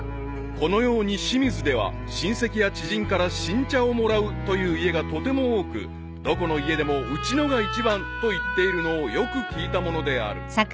［このように清水では親戚や知人から新茶をもらうという家がとても多くどこの家でもうちのが一番と言っているのをよく聞いたものである］